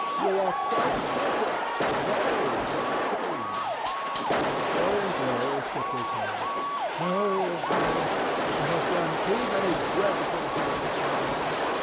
"You are quite perfect. Pray, don't change." Dorian Gray shook his head. "No, Harry, I have done too many dreadful things in my life.